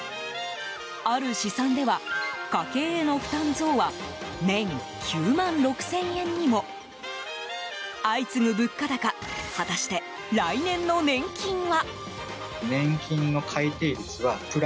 ある試算では、家計への負担増は年９万６０００円にも。相次ぐ物価高果たして、来年の年金は？